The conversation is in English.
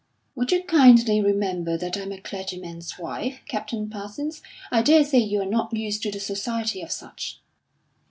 "Would you kindly remember that I am a clergyman's wife, Captain Parsons? I daresay you are not used to the society of such."